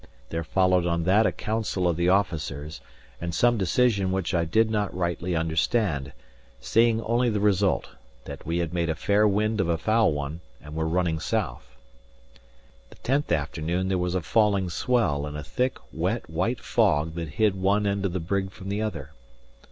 There followed on that a council of the officers, and some decision which I did not rightly understand, seeing only the result: that we had made a fair wind of a foul one and were running south. The tenth afternoon there was a falling swell and a thick, wet, white fog that hid one end of the brig from the other.